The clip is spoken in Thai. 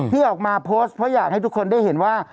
ที่ออกมาโพสต์เพราะอยากให้ทุกคนได้เห็นว่า